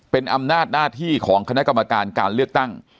เป็นอำนาจหน้าที่ของคณะกรรมการการเลือกตั้ง